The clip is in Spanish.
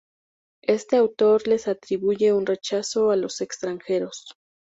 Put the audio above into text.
Este autor les atribuye un rechazo a los extranjeros.